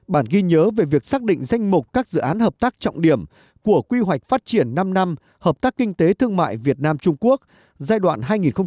bản ghi nhớ về việc xác định danh mục các dự án hợp tác trọng điểm của quy hoạch phát triển năm năm hợp tác kinh tế thương mại việt nam trung quốc giai đoạn hai nghìn hai mươi một hai nghìn ba mươi